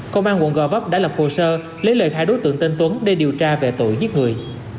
công an quận gò vấp đã lập hồ sơ lấy lời khai đối tượng tên tuấn để điều tra về tội giết người